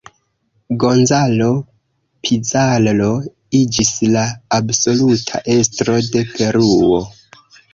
Gonzalo Pizarro iĝis la absoluta estro de Peruo.